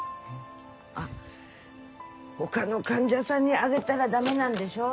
あっ他の患者さんにあげたら駄目なんでしょ？